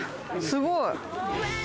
すごい！